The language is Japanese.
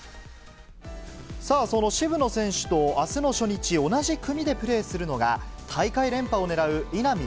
さあ、その渋野選手とあすの初日、同じ組でプレーするのが、大会連覇をねらう稲見